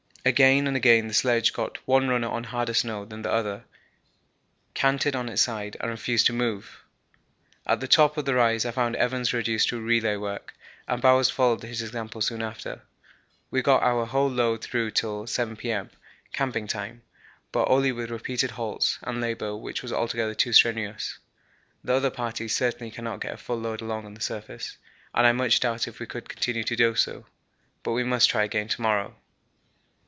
Again and again the sledge got one runner on harder snow than the other, canted on its side, and refused to move. At the top of the rise I found Evans reduced to relay work, and Bowers followed his example soon after. We got our whole load through till 7 P.M., camping time, but only with repeated halts and labour which was altogether too strenuous. The other parties certainly cannot get a full load along on the surface, and I much doubt if we could continue to do so, but we must try again to morrow.